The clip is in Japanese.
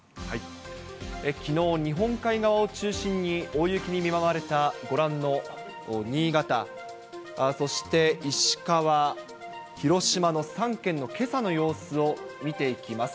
きのう、日本海側を中心に大雪に見舞われたご覧の新潟、そして石川、広島の３県のけさの様子を見ていきます。